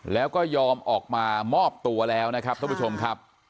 แล้วก็ยอมออกมามอบตัวแล้วนะครับท่านผู้ชมครับ